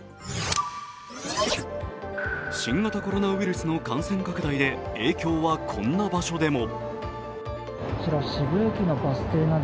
新型コロナウイルスの感染拡大で影響はこんな場所でも。